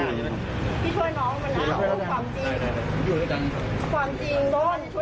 งบ